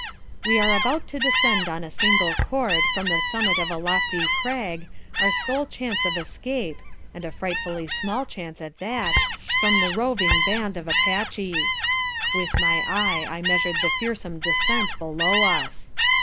"We are about to descend on a single cord from the summit of a lofty crag, our sole chance of escape (and a frightfully small chance at that) from the roving band of Apaches. "With my eye I measured the fearsome descent below us.